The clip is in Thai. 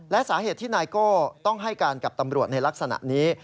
และสาเหตุที่นายโก้ต้องให้การกับตำรวจในลักษณะนี้